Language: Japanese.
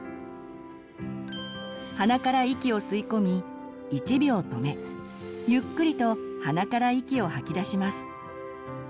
鼻から息を吸い込み１秒止めゆっくりと鼻から息を吐き出します。